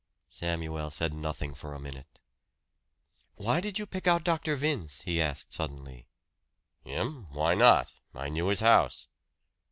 Samuel said nothing for a minute. "Why did you pick out Dr. Vince?" he asked suddenly. "Him? Why not? I knew his house."